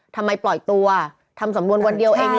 ทำไมปล่อยตัวทำสำนวนวันเดียวเองเลย